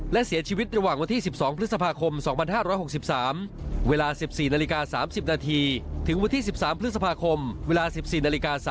และเสียชีวิตระหว่างวันที่๑๒พฤษภาคม๒๕๖๓นเวลา๑๔น๓๐นถึง๑๓พฤษภาคม๑๔๓๐น